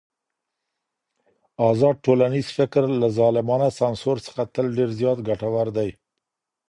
ازاد ټولنيز فکر له ظالمانه سانسور څخه تل ډېر زيات ګټور دی.